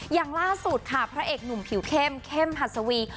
อย่างล่าสุดค่ะพระเอกหนุ่มผิวเข้มเข้มหัสวี